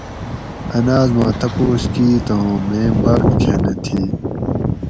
ان آس ماں تپوس کیت ھوں میں بخت کھۤنہ تھی